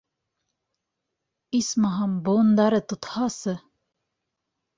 Исмаһам, быуындары тотһасы...